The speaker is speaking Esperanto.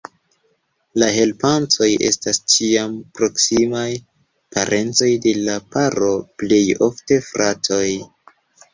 La helpantoj estas ĉiam proksimaj parencoj de la paro, plej ofte fratoj.